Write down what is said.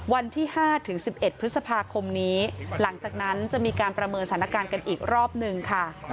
วันที่๕ถึง๑๑พฤษภาคมนี้หลังจากนั้นจะมีการประเมินสถานการณ์กันอีกรอบหนึ่งค่ะ